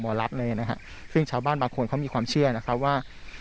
รัฐเลยนะฮะซึ่งชาวบ้านบางคนเขามีความเชื่อนะครับว่า